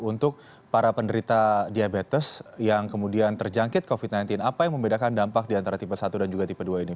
untuk para penderita diabetes yang kemudian terjangkit covid sembilan belas apa yang membedakan dampak di antara tipe satu dan juga tipe dua ini